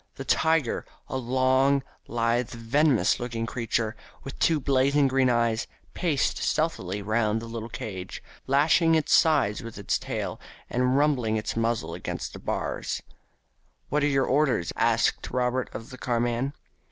The tiger, a long, lithe, venomous looking creature, with two blazing green eyes, paced stealthily round the little cage, lashing its sides with its tail, and rubbing its muzzle against the bars. "What were your orders?" asked Robert of the carman.